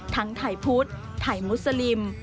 ทั้งไถ่พุธไถ่มุสลิม